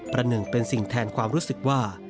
หนึ่งเป็นสิ่งแทนความรู้สึกว่า